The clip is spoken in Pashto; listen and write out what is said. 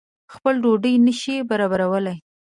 خپل ډوډۍ نه شي برابرولای.